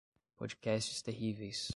Podcasts terríveis